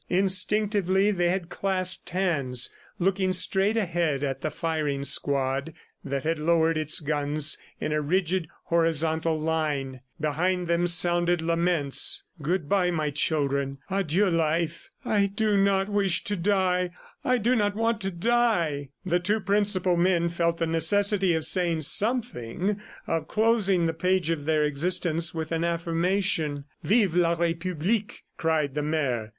Instinctively they had clasped hands, looking straight ahead at the firing squad, that had lowered its guns in a rigid, horizontal line. Behind them sounded laments "Good bye, my children. ... Adieu, life! ... I do not wish to die! ... I do not want to die! ..." The two principal men felt the necessity of saying something, of closing the page of their existence with an affirmation. "Vive la Republique!" cried the mayor.